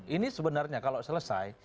ini sebenarnya kalau selesai